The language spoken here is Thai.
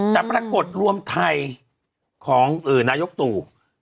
แต่ปรากฏรวมไทยของนายกตู่